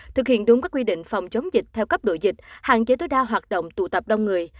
thực hiện đúng các quy định phòng chống dịch theo cấp độ dịch hạn chế tối đa hoạt động tụ tập đông người